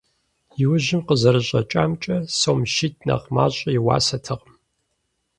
Иужьым къызэрыщӀэкӀамкӀэ, сом щитӀ нэхъ мащӀэ и уасэтэкъым.